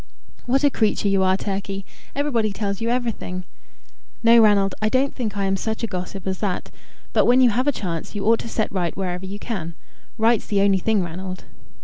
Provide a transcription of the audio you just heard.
"What a creature you are, Turkey! Everybody tells you everything." "No, Ranald; I don't think I am such a gossip as that. But when you have a chance, you ought to set right whatever you can. Right's the only thing, Ranald."